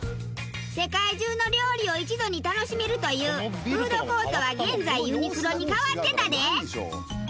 世界中の料理を一度に楽しめるというフードコートは現在ＵＮＩＱＬＯに変わってたで！